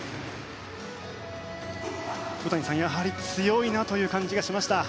小谷さん、やはり強いなという感じがしました。